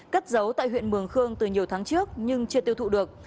cất giấu tại huyện mường khương từ nhiều tháng trước nhưng chưa tiêu thụ được